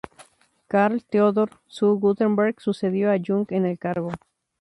Karl- Theodor zu Guttenberg sucedió a Jung en el cargo.